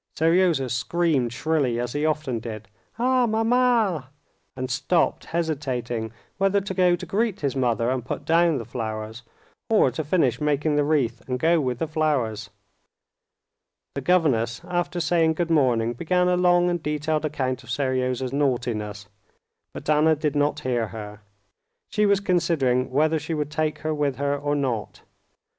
Seryozha screamed shrilly, as he often did, "Ah, mamma!" and stopped, hesitating whether to go to greet his mother and put down the flowers, or to finish making the wreath and go with the flowers. The governess, after saying good morning, began a long and detailed account of Seryozha's naughtiness, but Anna did not hear her; she was considering whether she would take her with her or not.